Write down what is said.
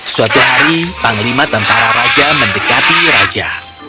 suatu hari panglima tentara raja mendekati raja